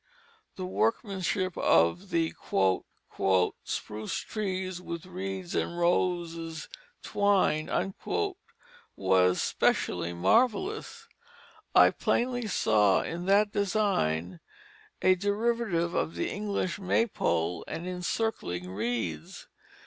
The workmanship of the "spruce trees with wreaths of roses twin'd" was specially marvellous. I plainly saw in that design a derivative of the English Maypole and encircling wreaths.